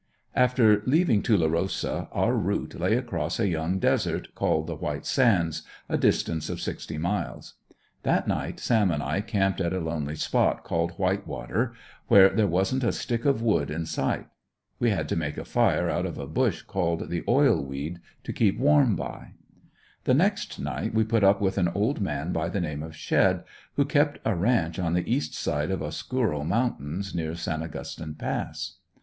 After leaving Tulerosa our route lay across a young desert, called the "White Sands," a distance of sixty miles. That night Sam and I camped at a lonely spot called "White Water," where there wasn't a stick of wood in sight. We had to make a fire out of a bush called the "oil weed" to keep warm by. The next night we put up with an old man by the name of Shedd, who kept a ranch on the east side of Osscuro mountains, near San Augustine Pass.